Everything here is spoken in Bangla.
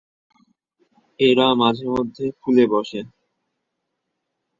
এরা মাঝেমধ্যে ফুলে বসে।